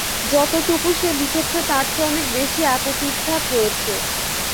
যতটুকু সে লিখেছে তার চেয়ে অনেক বেশি আকুতির ছাপ রয়েছে।